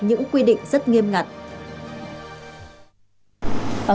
những quy định rất nghiêm ngặt